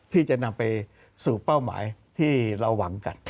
ที่จะนำไปสู่เป้าหมายที่เราหวังกัน